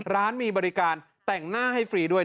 ร้านมีบริการแต่งหน้าให้ฟรีด้วย